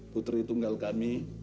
putri tunggal kami